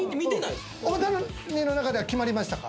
お二人の中では決まりましたか？